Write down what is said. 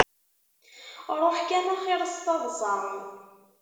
Ruḥ kan axir s taḍsa.